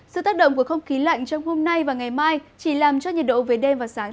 sự tác động của không khí lạnh trong hôm nay và ngày mai chỉ làm cho nhiệt độ về đêm và sáng